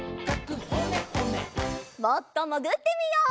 もっともぐってみよう。